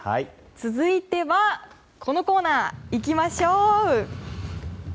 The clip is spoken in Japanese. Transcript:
続いては、このコーナーいきましょう！